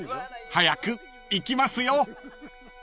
［早く行きますよ！］